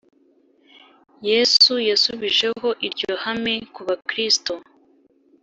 Yesu yashubijeho iryo hame ku Bakristo